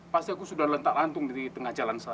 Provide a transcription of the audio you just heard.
pasti aku sudah lentak lantung di tengah jalan sana